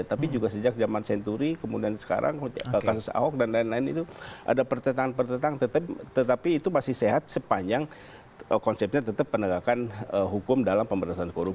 tapi juga sejak zaman senturi kemudian sekarang kasus ahok dan lain lain itu ada pertentangan pertentangan tetapi itu masih sehat sepanjang konsepnya tetap penegakan hukum dalam pemberantasan korupsi